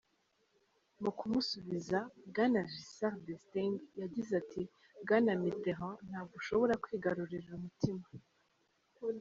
Mu kumusubiza, Bwana Giscard d'Estaing yagize ati: "Bwana Mitterand, ntabwo ushobora kwigarurira umutima".